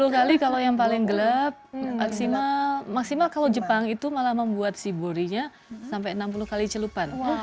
dua kali kalau yang paling gelap maksimal kalau jepang itu malah membuat si borinya sampai enam puluh kali celupan